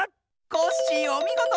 コッシーおみごと！